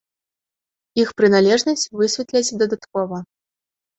Іх прыналежнасць высветляць дадаткова.